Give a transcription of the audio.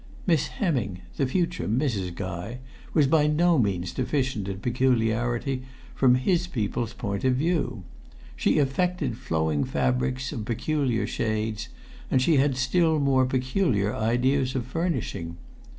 Miss Hemming, the future Mrs. Guy, was by no means deficient in peculiarity from his people's point of view. She affected flowing fabrics of peculiar shades, and she had still more peculiar ideas of furnishing.